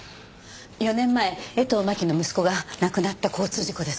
４年前江藤真紀の息子が亡くなった交通事故です。